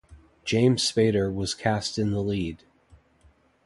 James Spader was cast in the lead.